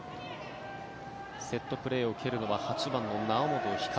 セットプレーを蹴るのは８番の猶本光。